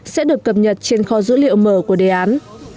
sẽ được cập nhật trên kho dữ liệu mở của đề án